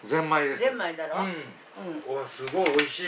すごい美味しい。